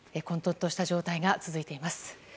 混沌とした状態が続いています。